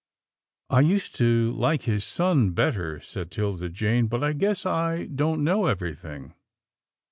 " I used to like his son better," said 'Tilda Jane, " but I guess I don't know everything."